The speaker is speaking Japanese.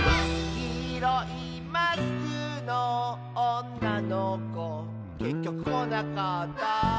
「きいろいマスクのおんなのこ」「けっきょくこなかった」